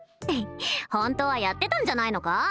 ホントはやってたんじゃないのか？